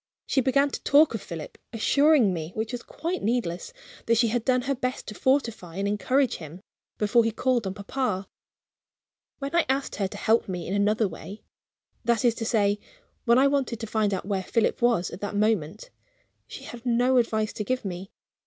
She began to talk of Philip; assuring me (which was quite needless) that she had done her best to fortify and encourage him, before he called on papa. When I asked her to help me in another way that is to say, when I wanted to find out where Philip was at that moment she had no advice to give me.